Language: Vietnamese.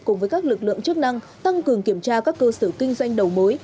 cùng với các lực lượng chức năng tăng cường kiểm tra các cơ sở kinh doanh đầu mối